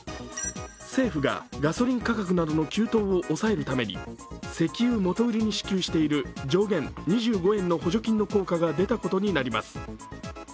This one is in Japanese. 政府がガソリン価格などの急騰を抑えるために、石油元売りに支給している上限２５円の補助金の効果が出たことになります。